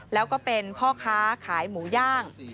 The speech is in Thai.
แล้วก็เป็นพ่อค้าขายหมูย่าง